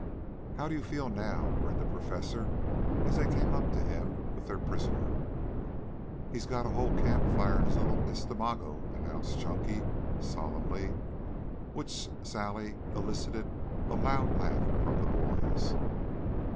"How do you feel now?" grinned the Professor as they came up to him with their prisoner. "He's got a whole camp fire in his little estomago," announced Chunky solemnly, which sally elicited a loud laugh from the boys.